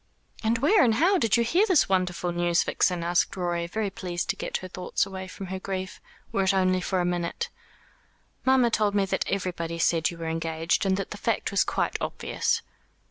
"And where and how did you hear this wonderful news, Vixen?" asked Rorie, very pleased to get her thoughts away from her grief, were it only for a minute. "Mamma told me that everybody said you were engaged, and that the fact was quite obvious."